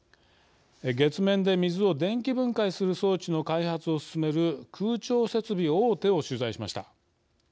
月面で水を電気分解する装置の開発を進める空調設備大手を取材しました。